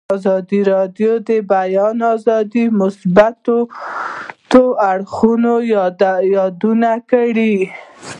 ازادي راډیو د د بیان آزادي د مثبتو اړخونو یادونه کړې.